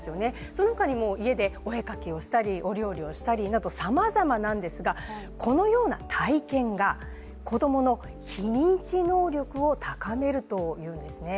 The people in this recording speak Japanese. その他にも家でお絵かきをしたりお料理をしたりなどさまざまなんですがこのような体験が子供の非認知能力を高めるというんですね。